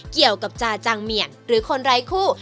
เกี่ยวกับจาจังแม่งหรือคนรายคู่